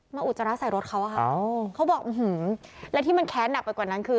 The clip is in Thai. อุจจาระใส่รถเขาอะค่ะเขาบอกอื้อหือและที่มันแค้นหนักไปกว่านั้นคือ